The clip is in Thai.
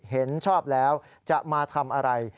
เห็นชอบแล้วจะมาทำอะไร